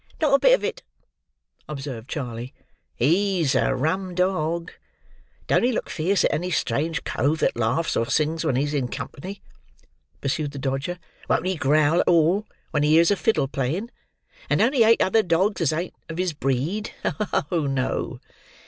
"Not a bit of it," observed Charley. "He's a rum dog. Don't he look fierce at any strange cove that laughs or sings when he's in company!" pursued the Dodger. "Won't he growl at all, when he hears a fiddle playing! And don't he hate other dogs as ain't of his breed! Oh, no!"